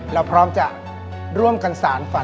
เราพร้อมจะร่วมกันสารฝัน